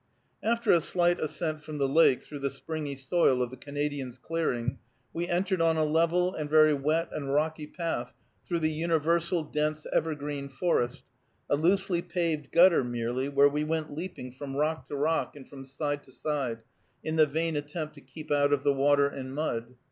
After a slight ascent from the lake through the springy soil of the Canadian's clearing, we entered on a level and very wet and rocky path through the universal dense evergreen forest, a loosely paved gutter merely, where we went leaping from rock to rock and from side to side, in the vain attempt to keep out of the water and mud.